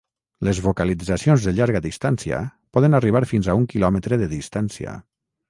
Les vocalitzacions de llarga distància poden arribar fins a un quilòmetre de distància.